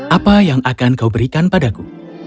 apa yang akan kau berikan padaku